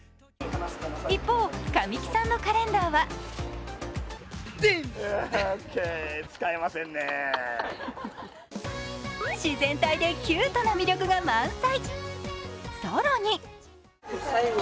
一方、神木さんのカレンダーは自然体でキュートな魅力が満載。